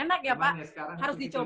enak ya pak sekarang harus dicoba